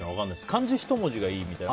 漢字１文字がいいみたいな。